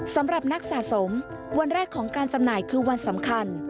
สำหรับนักสะสมวันแรกของการจำหน่ายคือวันสำคัญ